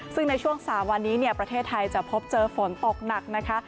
ซึ่งในช่วง๓วันนี้ประเทศไทยจะพบเจอฝนตกหนักนะคะ